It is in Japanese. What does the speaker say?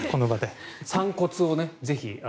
散骨を、ぜひ。